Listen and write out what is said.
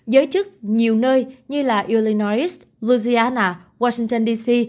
giới chức nhiều nơi như illinois louisiana washington d c